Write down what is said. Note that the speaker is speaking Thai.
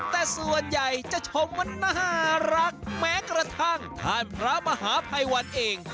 แต่ส่วนใหญ่จะชมว่าน่ารักแม้กระทั่งท่านพระมหาภัยวันเอง